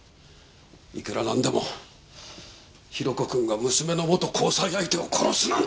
いくらなんでも宏子くんが娘の元交際相手を殺すなんて。